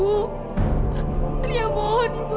tumpuk tangan attorney chun yang sempurna